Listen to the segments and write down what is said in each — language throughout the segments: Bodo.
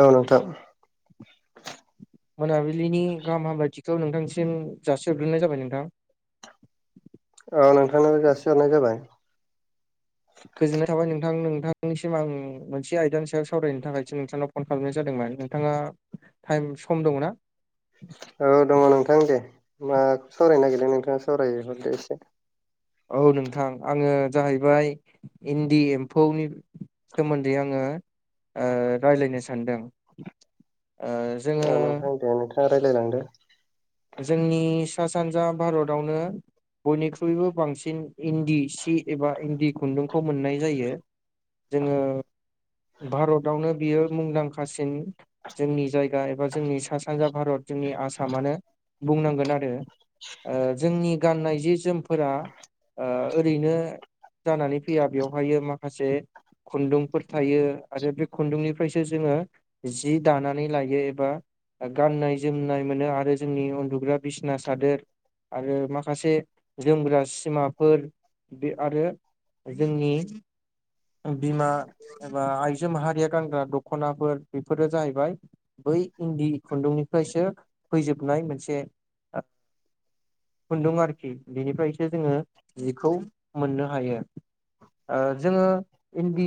औ नोंथां मोनाबिलिनि गाहाम हामलायथिखौ नोंथांसिम जासोहरग्रोनाय जाबाय नोंथां औ नोंथांनो जासिहरनाय जाबाय। गोजोननाय थाबाय नोंथां नोंथांनिसिम आं मोनसे आयदानि सायाव सावरायनो थाखायसो नोंथांनाव फन खालामनाय जादोंमोन नोंथाङा टाइम सम दङना औ दङ नोंथां दे मा सावरायनो नागिरदों नोंथाङा सावरायहरदो एसे। औ नोंथां आङो जाहैबाय। इन्दि एम्फौनि सोमोन्दै आङो ओ रायलायनो सानदों ओ जोङो औ नोंथां दे नोंथाङा रायज्लायलांदो जोंनि सा सानजा भारतावनो बयनिख्रुइबो बांसिन इन्दि सि एबा इन्दि खुन्दुंखौ मोननाय जायो जोङो भारतावनो बियो मुंदांखासिन जोंनि जायगा एबा जोंनि सा सानजा भारत जोंनि आसामानो बुंनांगोन आरो जोंनि गाननाय जे जोमफोरा ओरैनो जानानै फैया बेवहाय माखासे खुन्दुंफोर थायो आरो बे खुन्दुंनिफ्रायसो जोङो जि दानानै लायो एबा गाननाय जोमनाय मोनो आरो जोंनि उन्दुग्रा बिसिना सादोर आरो माखासे जोमग्रा सिमाफोर बे आरो जोंनि बिमा एबा आइजो माहारिया गानग्रा दख'नाफोर बेफोरो जाहैबाय बै इन्दि खुन्दुंनिफ्रायसो नाय मोनसे खुन्दुं आरोखि बिनिफ्रायसो जोङो जिखौ मोननो हायो ओ‌ जोङो इन्दि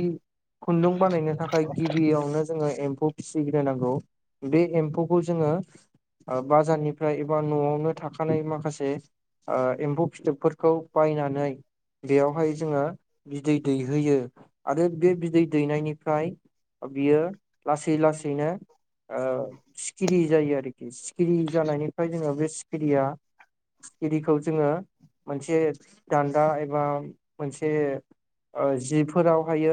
खुन्दुं बानायनो थाखाय गिबियावनो जोङो एम्फौ फिसिग्रा नांगौ बे एम्फौखौ जोङो ओ बाजारनिफ्राय एबा न'आवनो थाखानाय माखासे एम्फौ फिथोबफोरखौ बायनानै बेयावहाय जोङो बिदै दैहोयो आरो बे बिदै दैनायनिफ्राय ओ बियो लासै लासैनो ओ सिखिरि जायो आरोखि सिखिरि जानायनिफ्राय जोङो बे सिखिरिया सिखिरिखौ जोङो मोनसे दान्दा एबा मोनसे जि फोराव हायो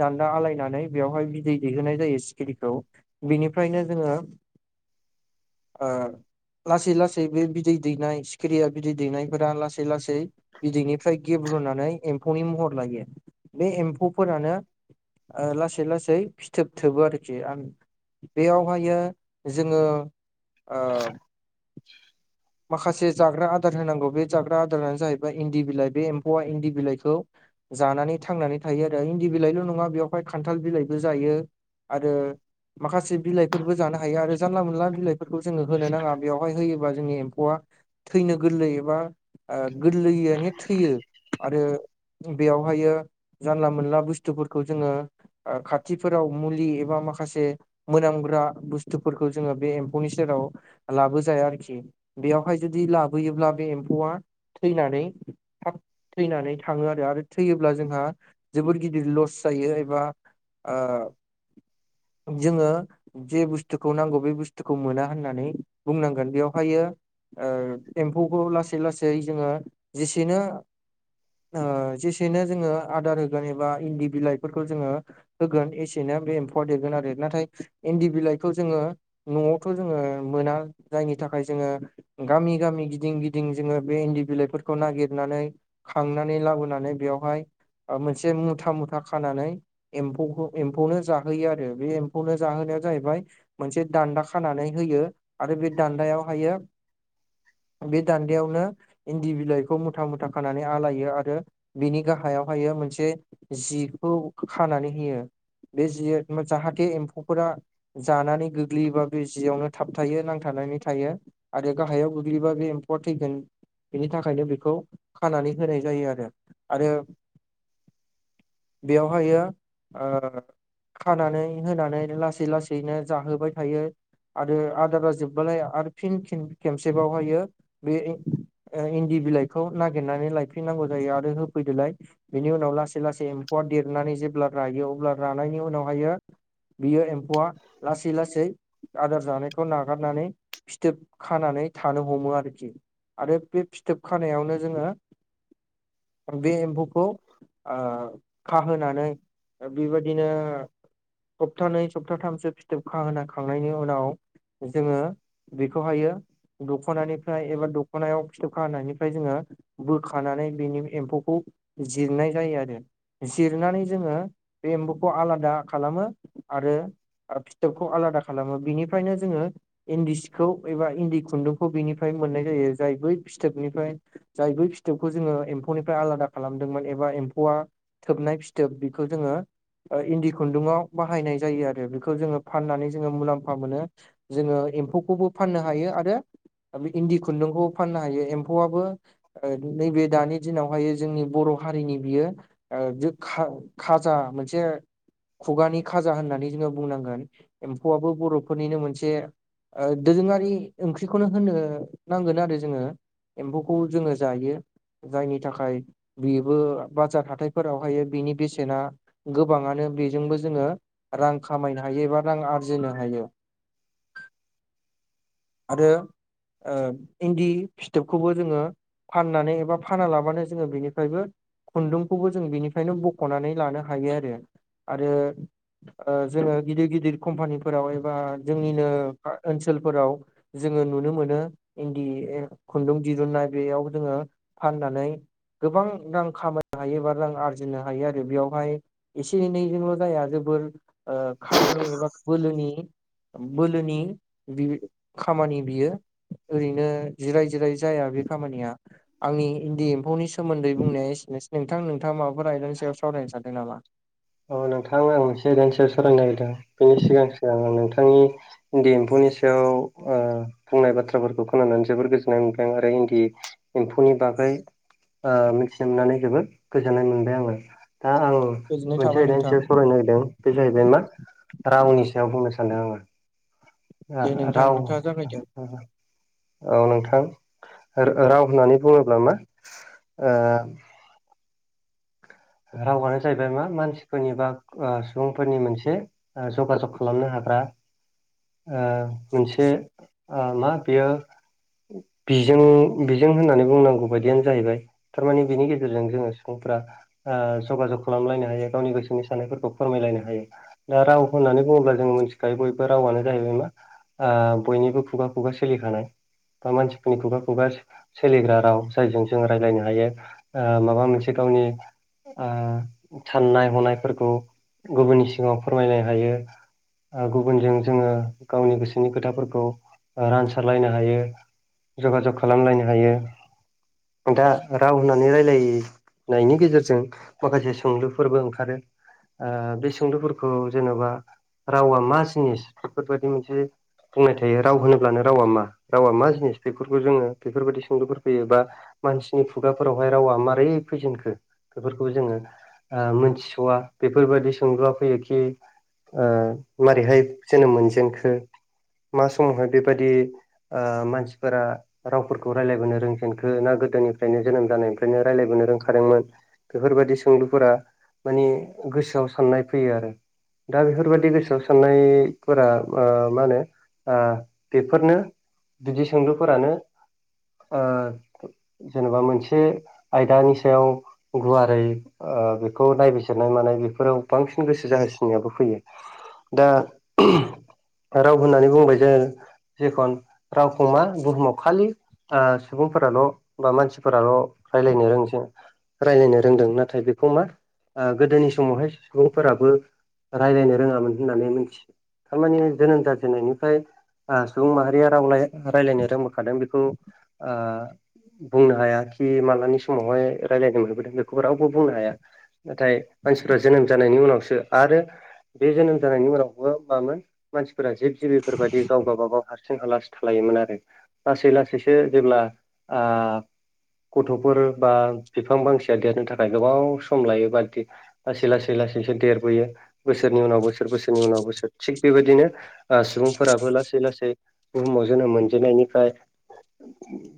दान्दा आलायनानै बेवहाय बिदै दैहोनाय जायो सिखिरिखौ बिनिफ्रायनो जोङो लासै लासै बे बिदै दैनाय सिखिरिया बिदै दैनायफोरा लासै लासै बिदैनिफ्राय गेब्रुनानै एम्फौनि महर लायो बे एम्फौ फोरानो ओ लासै लासै फिथोब थोबो आरोखि आं बेयावहायो जोङो औ माखासे जाग्रा आदार होनांगौ बे जाग्रा आदारानो जाहैबाय इन्दि बिलाइ बे एम्फौआ इन्दि बिलाइखौ जानानै थांनानै थायो आरो इन्दि बिलाइ ल' नङा बेवहाय खान्थाल बिलाइबो जायो आरो माखासे बिलाइफोरबो जानो हायो आरो जानला मोनला बिलाइफोरखौ जोङो होनो नाङा बेवहाय हो जोंनि एम्फौआ थैनो गोरलै एबा गोरलैआनो थैयो आरो बेयावहायो जानला मोनला बुस्थुफोरखौ जोङो खाथिफोराव मुलि एबा माखासे मोनामग्रा बुस्थुफोरखौ जोङो बे एम्फौनि सेराव लाबो जाया आरोखि बेयावहाय जुदि लाबोयोब्ला बे एम्फौआ। थैनानै थाब थैनानै थाङो आरो आरो थैयोब्ला जोंहा जोबोद गिदिर लस जायो एबा आ जोङो जे बुस्थुखौ नांगौ बे बुस थुखौ मोना होननानै बुंनांगोन बेवहायो ओ एम्फौखौ लासै लासै जोङो जेसेनो ओ जेसेनो जोङो आदार होगोन एबा इन्दि बिलाइफोरखौ जोङो होगोन एसेनो बे एम्फौआ देरगोन आरो नाथाय इन्दि बिलाइखौ जोङो नआवथ' जोङो मोना जायनि थाखाय जोङो गामि गामि गिदिं गिदिं जोङो बे इन्दि बिलाइफोरखौ नागिरनानै खांनानै लाबोनानै बेयावहाय मोनसे मुथा मुथा खानानै एम्फौखौ एम्फौनो जाहोयो आरो बे एम्फौनो जाहोनाया जाहैबाय मोनसे दान्दा खानानै होयो आरो बे दान्दायावहायो बे दान्दायावनो इन्दि बिलाइखौ मुथा मुथा खानानै आलायो आरो बिनि गाहायावहायो मोनसे जिखौ खानानै होयो बे जि जाहाथे एम्फौफोरा जानानै गो गोग्लैयोबा बे जियावनो थाब थायो नांथानानै थायो आरो गाहायाव गोग्लैबा बे एम्फौ थैगोन बिनि थाखायनो बिखौ खानानै होनाय जायो आरो आरो बियावहायो आ खानानै होनानै लासै लासैनो जाहोबाय थायो आरो आदारा जोबबालाय आरो फिन खिम खेमसेबावहायो बे ओ इन्दि बिलाइखौ नागिरनानै लायफिननांगौ जायो आरो होफैदोलाय बिनि उनाव लासै लासै एम्फौआ देरनानै जेब्ला रायो अब्ला रानायनि उनावहायो बियो एम्फौआ लासै लासै आदार जानायखौ नागारनानै फिथोब खानानै थानो हमो आरोखि आरो बे फिथोब खानायावनो जोङो बे एम्फौखौ आ खाहोनानै बिबादिनो सप्थानै सप्ताथामसो फिथोब खाहोना खांनायनि उनाव जोङो बेखौहायो दख'नानिफ्राय एबा दख खनायाव फिथोबखानिफ्राय जोङो बोखानानै बिनि एम्फौखौ जिरनाय जायो आरो जिरनानै जोङो बे एम्बौखौ आलादा खालामो आरो आर फिथोबखौ आलादा खालामो बिनिफ्रायनो जोङो इन्दि सिखौ एबा इन्दि खुन्दुंखौ बेनिफ्राय मोननाय जायो जाय बै फिथोबनिफ्राय जाय बै फिथोबखौ जोङो एम्फौनिफ्राय आलादा खालामदोंमोन एबा एम्फौआ थोबनाय फिथोब बेखौ जोङो ओ‌ इन्दि खुन्दुंआव बाहायनाय जायो आरो बिखौ जोङो फाननानै जोङो मुलाम्फा मोनो जोङो एम्फौखौबो फाननो हायो आरो इन्दि खुन्दुंखौ फाननो हायो एम्फौआबो ओ नैबे दानि दिनावहायो जोंनि बर‌ हारिनि बियो ओ‌ जो खा खाजा मोनसे खुगानि खाजा होननानै जोङो बुंनांगोन एम्फौआबो बर'फोरनिनो मोनसे ओ दोरोङारि ओंख्रिखौनो होननो नांगोन आरो जोङो एम्फौखौ जोङो जायो जायनि थाखाय बिबो बाजार हाथायफोरावहाय बिनि बेसेना गोबाङानो बिजोंबो जोङो रां खामायनो हायो एबा रां आरजिनो हायो [inaudible] आरो ओ इन्दि फिथोबखौबो जोङो फाननानै एबा फाना लाबानो जोङो बिनिफ्रायबो खुन्दुंखौबो जों बिनिफ्रायनो बखनानै लानो हायो आरो आरो ओ जोंङो गिदिर गिदिर कम्पानिफोराव एबा जोंनिनो गा ओनसोलफोराव जोङो नुनो मोनो इन्दि खुन्दुं दिरुननाय बेयाव जोङो फाननानै गोबां रां खामायनो हायो एबा रां आरजिनो हायो आरो बेयावहाय एसे एनैजोंल' जाया जोबोर ओ खामानि एबा बोलोनि बोलोनि बि खामानि बियो ओरैनो जिराय जिराय जाया बे खामानिया आं इन्दि एम्फौनि सोमोन्दै बुंनाया एसेनोसै नोंथां नोंथाङा माबाफोर आयदानि सायाव सावरायनो सानदों नामा औ नोंथां आं मोनसे दान्सयाव सरायनो नागिरदों बेनि सिगां सिगां आं नोंथांनि इन्दि एम्फौनि सायाव बुंनाय बाथ्राफोरखौ खोनानानै जोबोर गोजोननाय मोन्दों आरो इन्दि एम्फौनि बागै मिथिमनानै जोबोद गोजोननाय मोनबाय आङो दा आं गोजोननाय मोनसे थाबाय आयदानि नोंथां। सायाव सावरायनो नागिरदों बे जाहैबाय मा रावनि सायाव बुंनो सानदों आङो दे नोंथां राव नोंथाङा जागायदो औ नोंथां राव होननानै बुङोब्ला मा ओ रावआनो जाहैबाय मा मानसिफोरनि बा सुबुंफोरनि मोनसे आ जगाजग खालामनो हाग्रा ओ मोनसे मा बियो बिजों बिजों होननानै बुंनांगौ बायदियानो जाहैबाय थारमाने बिनि गेजेरजों जोंङो सुबुंफोरा जगाजग खालामलायनो हायो गावनि गोसोनि साननायफोरखौ फोरमायलायनो हायो दा राव होननानै बुङोब्ला जोंङो मिथिखायो बयबो रावानो जाहैबाय मा ओ बयनिबो खुगा खुगा सोलिखानाय बा मानसिफोरनि खुगा खुगा सोलिग्रा राव जायजों जों रायलायनो हायो ओ माबा मोनसे गावनि आ साननाय हनायफोरखौ गुबुननि सिगाङाव फोरमायलायनो हायो आ गुबुनजों जोङो गावनि गोसोनि खोथाफोरखौ रानसारलायनो हायो जगाजग खालामलायनो हायो दा राव होननानै रायलायो नायनि गेजेरजों माखासे सोंलुफोरबो ओंखारो ओ बे सुंद'फोरखौ जेनेबा रावा मा जिनिस बेफोरबायदि मोनसे बुंनाय थायो राव होनोब्लानो रावा मा रावा मा जिनिस बेफोरखौ जोंङो बेफोरबायदि सुंदुफोर फैयो बा मानसिनि खुगाफोरावहाय रावा माबारै फैजेनखो बेफोरखौ जोंङो आ मिथिस'वा बेफोरबायदि सोंलुवा फैयोखि ओ मारैहाय जोनोम मोनजेनखो मा समावहाय बेबादि मानसिफोरा रावफोरखौ रायलायबोनो रोंजेनखो ना गोदोनिफ्रायनो जोनोम जानायनिफ्रायनो रायलायबोनो रोंखादोंमोन बेफोरबायदि सोंलुफोरा मानि गोसोआव साननाय फैयो आरो दा बेफोरबायादि गोसोआव साननाय फोरा मा होनो बेफोरनो बिदि सोंलुफोरानो ओ जेनेबा मोनसे आयदानि सायाव गुवारै ओ बेखौ नायबिजिरनाय मानाय बेफोराव बांसिन गोसो जाहोसिननायाबो फैयो दा राव होननानै बुंबाय जोंङो जेखन रावखौ मा बुहुमाव खालि ओ सुबुंफोराल' बा मानसिफोराल' रायलायनो रोंसै रायलायनो रोंदों नाथाय बेखौ मा गोदोनि समावहाय सुबुंफोराबो रायलायनो रोङामोन होननानै मिथियो थारमानि जोनोम जाजेननायनिफ्राय आ सुबुं माहारिया राव लाय रायलायनो रोंबोखादों बेखौ ओ बुंनो हाया खि मालानि समावहाय रायज्लायनो मोनबोदों बेखौबो रावबो बुंनो हाया नाथाय मानसिफ्रा जोनोम जानायनि उनावसो आरो बे जोनोम जानायनि उनावबो मामोन मानसिफोरा जिब जिबिफोर बायदि गाव गाबागाव हारसिं हालासो थालायोमोन आरो लासै लासैसो जेब्ला आ गथ'फोर बा बिफां फांसेया देरनो थाखाय गोबाव सम लायो बा लासै लासै लासैसो देरबोयो बोसोरनि उनाव बोसोर बोसोरनि उनाव बोसोर थिग बेबायदिनो ओ सुबुंफोराबो लासै लासै बुहुमाव जोनोम मोनजेननायनिफ्राय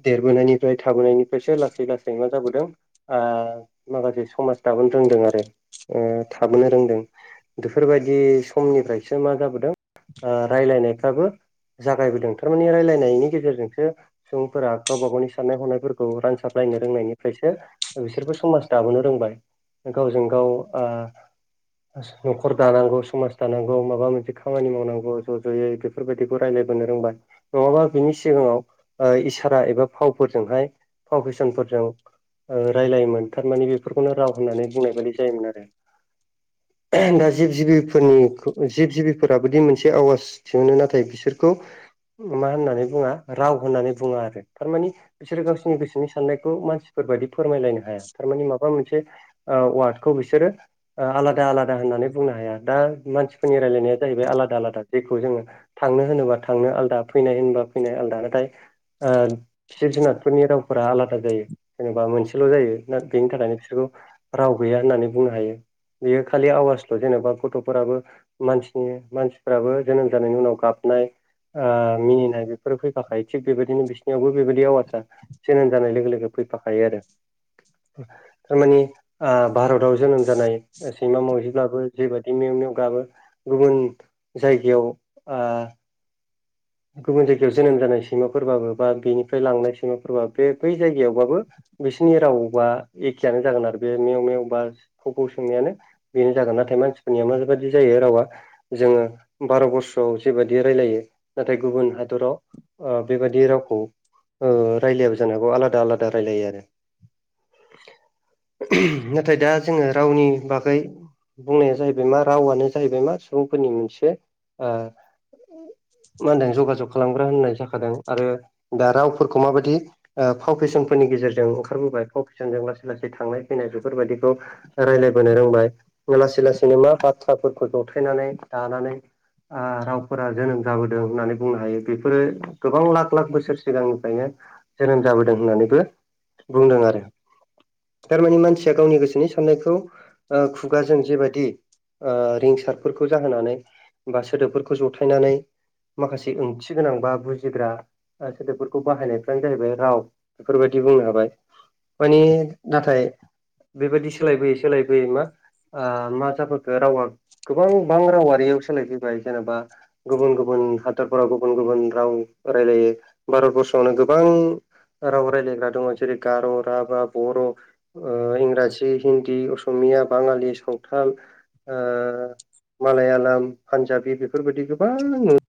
देरबोनायनिफ्राय थाबोनायनिफ्रायसो लासै लासै मा जाबोदों ओ माखासे समाज दाबोनो रोंदों आरो ओ थाबोनो रोंदों। बेफोरबायदि समनिफ्रायसो मा जाबोदों ओ रायलायनायफ्राबो जागायबोदों थारमाने रायलायनायनि गेजेरजोंसो सुबुंफोरा गावबा गावनि साननाय हनायफोरखौ रानसाबलायनो रोंनायनिफ्रायसो बिसोरबो समाज दाबोनो रोंबाय गावजों गाव ओ न'खर दानांगौ समाज दानांगौ माबा मोनसे खामानि मावनांगौ ज' ज'यै बे बेफोरबायदिखौ रायलायबोनो रोंबाय नङाबा बिनि सिगाङाव ओ इसारा एबा फावफोरजोंहाय फाव फेसनफोरजों ओ रायलायोमोन थारमाने बेफोरखौनो राव होननानै बुंनाय बायदि जायोमोन आरो। दा जिब जिबिफोरनिखो जिब जिबिफोराबोदि मोनसे आवाज दिहुनो नाथाय बिसोरखौ मा होननानै बुङा राव होननानै बुङा आरो थारमानि बिसोरो गावसोरनि गोसोनि सान साननायखौ मानसिफोर बायदि फोरमायलायनो हाया थारमानि माबा मोनसे ओ वार्डखौ बिसोरो ओ आलादा आलादा होननानै बुंनो हाया दा मानसि जोंनि रायलायनाया जाहैबाय आलादा आलादा जेखौ जोङो थांनो होनोबा थांनो आलदा फैनाय होनोबा फैनाय आलदा नाथाय ओ जिब जुनारफोरनि रावफोरा आलादा जायो जेनेबा मोनसेल' जायो ना बेनि थाखायनो बिसोरखौ राव गैया होननानै बुंनो हायो बेयो खालि आवाजल' जेनेबा गथ'फोराबो मानसिनि मानसिफोराबो जोनोम जानायनि उनाव गाबनाय ओ मिनिनाय बेफोरो फैखाखायो थिग बेबायदिनो बिसनियावबो बेबायदि आवासा जोनोम जानाय लोगो लोगो फैफाखायो आरो थारमानि ओ भारताव जोनोम जानाय ओ सैमा मावजिब्लाबो जेबादि मेव मेव गाबो गुबुन जायगायाव ओ गुबुन जायगायाव जोनोम जानाय सैमाफोरबाबो बा बेनिफ्राय लांनाय सैमाफोरबा बे बै जायगायावबाबो बिसिनि रावाव बा एखेयानो जागोन आरो बे मेव मेव बा फौ फौ सोंनायानो। बेनो जागोन नाथाय मानसिफोरनिया मा बायदि जायो रावा जोङो भारतबर्सआव जेबायदि रायलायो नाथाय गुबुन हादराव ओ बेबादि रावखौ ओ रायलायाबो जानो हागौ आलादा आलादा रायलायो आरो। नाथाय दा जोङो रावनि बागै बुंनाया जाहैबाय मा रावानो जाहैबाय मा सुबुंफोरनि मोनसे ओ मा होनदों जगाजग खालामग्रा होननाय जाखादों। आरो दा रावफोरखौ माबादि ओ फाव फेसनफोरनि गेजेरजों ओंखारबोबाय फाव फेसनजों लासै लासै थांनाय फैनाय बेफोरबादिखौ रायलायबोनो रोंबाय लासै लासैनो मा बाथ्राफोरखौ जथायनानै दानानै आ रावफोरा जोनोम जाबो दों होननानै बुंनो हायो बेफोरो गोबां लाख लाख बोसोर सिगांनिफ्रायनो जोनोम जाबोदों होननानैबो बुंदों आरो। थारमानि मानसिया गावनि गोसोनि साननायखौ ओ खुगाजों जेबादि ओ रिंसारफोरखौ जाहोनानै बा सोदोबफोरखौ जथायनानै माखासे ओंथि गोनां बा बुजिग्रा ओ सोदोबफोरखौ बाहायनायफ्रानो जाहैबाय राव बेफोरबायदि बुंनो हाबाय। माने नाथाय बेबायदि सोलायबोयै सोलायबोयै मा ओ मा जाबोखो रावा गोबां बां रावारियाव सोलायफैबाय जेनेबा गुबुन गुबुन हादरफोराव गुबुन गुबुन राव रायलायो भारतबर्सआवनो गोबां राव रायलायग्रा दङ जेरै गार, राभा, बर' ओ इंराजि, हिन्दी, असमिया, बाङालि, सावथाल। ओ मालायालाम पान्जाबि बेफोरबायदि गोबां